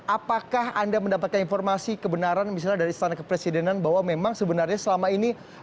apakah anda mendapatkan informasi kebenaran misalnya dari istana kepresidenan bahwa memang sebenarnya selama ini